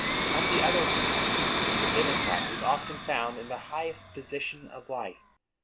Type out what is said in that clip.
On the other hand, the democrat is often found in the highest position of life.